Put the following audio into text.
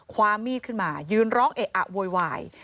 ความมีดขึ้นมายืนร้องเอะอะโวยวาย